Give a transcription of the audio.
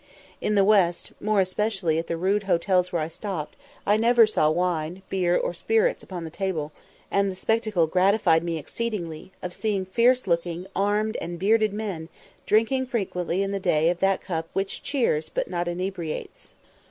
In the West, more especially at the rude hotels where I stopped, I never saw wine, beer, or spirits upon the table; and the spectacle gratified me exceedingly, of seeing fierce looking, armed, and bearded men, drinking frequently in the day of that cup "which cheers, but not inebriates."